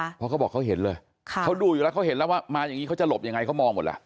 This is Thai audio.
เพราะเขาบอกเขาเห็นเลยค่ะเขาดูอยู่แล้วเขาเห็นแล้วว่ามาอย่างนี้เขาจะหลบยังไงเขามองหมดแล้ว